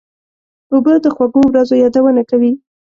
اوبه د خوږو ورځو یادونه کوي.